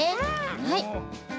はい。